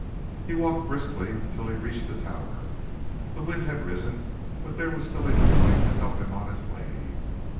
He walked briskly until he reached the Tower. The wind had risen, but there was still enough light to help him on his way.